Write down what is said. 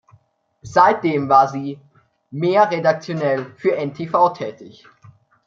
Seitdem war sie, mehr redaktionell, für n-tv tätig.